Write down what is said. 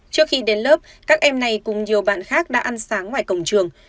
trước khi đến lớp các em này cùng nhiều bạn khác đã ăn sáng ngoài cổng trường